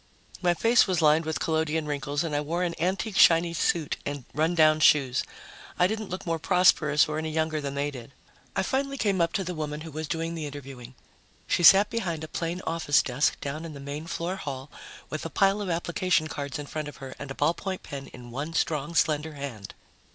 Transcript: My face was lined with collodion wrinkles and I wore an antique shiny suit and rundown shoes. I didn't look more prosperous or any younger than they did. I finally came up to the woman who was doing the interviewing. She sat behind a plain office desk down in the main floor hall, with a pile of application cards in front of her and a ballpoint pen in one strong, slender hand.